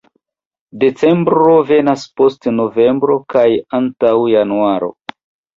Decembro venas post novembro kaj antaŭ januaro.